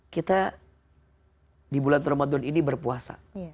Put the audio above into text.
kita di bulan ramadan ini berpuasa